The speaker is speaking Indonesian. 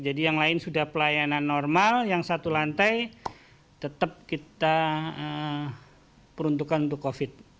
jadi yang lain sudah pelayanan normal yang satu lantai tetap kita peruntukan untuk covid